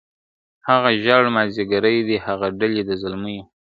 هغه ژړ مازیګری دی هغه ډلي د زلمیو ,